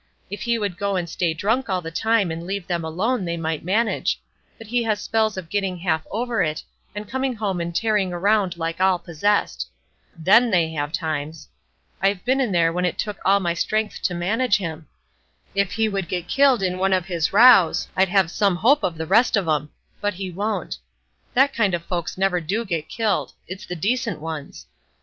If he would go and stay drunk all the time and leave them alone they might manage; but he has spells of getting half over it, and coming home and tearing around like all possessed. Then they have times! I've been in there when it took all my strength to manage him. If he would get killed in one of his rows I'd have some hope of the rest of 'em; but he won't. That kind of folks never do get killed; it's the decent ones.